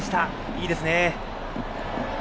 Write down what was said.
いいですね。